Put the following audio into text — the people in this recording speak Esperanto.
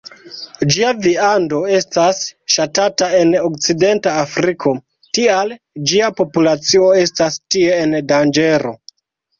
Ĝia viando estas ŝatata en okcidenta Afriko, tial ĝia populacio estas tie en danĝero.